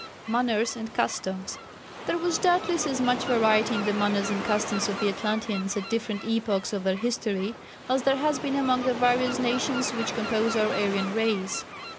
Manners and Customs. There was doubtless as much variety in the manners and customs of the Atlanteans at different epochs of their history, as there has been among the various nations which compose our Aryan race.